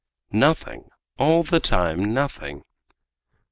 Nothing! All the time nothing!